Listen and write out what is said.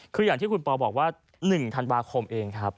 คืออย่างที่คุณป่าวบอกว่า๑ธันบาคมเอง